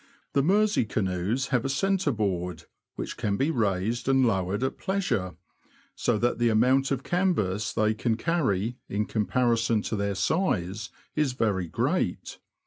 The Mersey canoes have a centre board, which can be raised and lowered at pleasure, so that the amount of canvas they can carry, in comparison to their size, is very great.